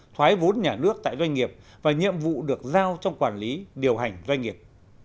thoái vốn nhà nước tại doanh nghiệp và nhiệm vụ được giao trong quản lý điều hành doanh nghiệp